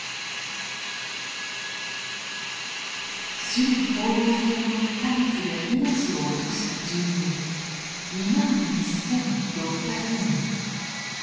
首里攻防戦の１か月で命を落とした住民２万１，６００人。